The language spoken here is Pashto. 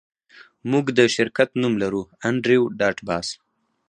موږ د شرکت نوم لرو انډریو ډاټ باس